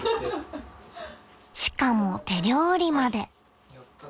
［しかも手料理まで］